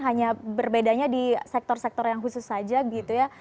hanya berbedanya di sektor sektor yang khusus saja gitu ya